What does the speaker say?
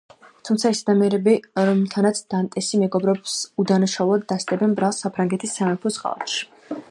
თუმცა ის ადამიანები, რომელთანაც დანტესი მეგობრობს უდანაშაულოდ დასდებენ ბრალს საფრანგეთის სამეფოს ღალატში.